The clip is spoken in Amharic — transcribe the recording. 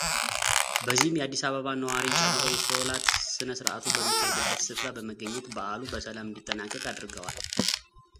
በዚህም የአዲስ አበባ ነዋሪን ጨምሮ የሶላት ስነ ስርአቱ በሚካሄድበት ስፍራ በመገኘት በዓሉ በሰላም እንዲጠናቀቅ አድርገዋል